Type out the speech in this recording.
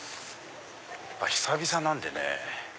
久々なんでね